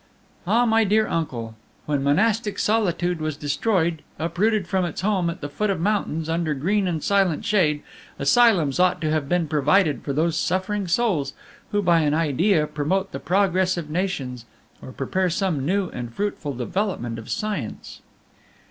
"Ah, my dear uncle, when monastic solitude was destroyed, uprooted from its home at the foot of mountains, under green and silent shade, asylums ought to have been provided for those suffering souls who, by an idea, promote the progress of nations or prepare some new and fruitful development of science.